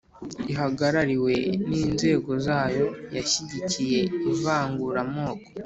ihagarariwe n inzego zayo yashyigikiye ivanguramoko